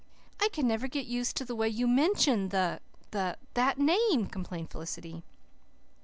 "I can never get used to the way you mention the the that name," complained Felicity.